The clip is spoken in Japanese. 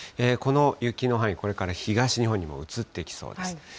この雪の範囲、これから東日本にも移ってきそうです。